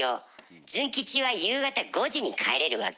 ズン吉は夕方５時に帰れるわけ。